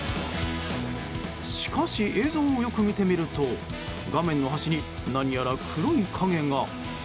しかし、映像をよく見てみると画面の端に何やら黒い影が。